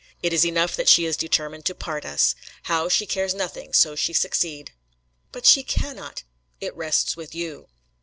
It is enough that she is determined to part us. How, she cares nothing, so she succeed." "But she cannot!" "It rests with you."